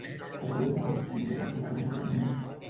El deu d'agost en Dídac irà a visitar mon oncle.